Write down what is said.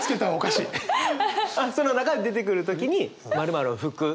その中出てくる時に「○○を吹く」？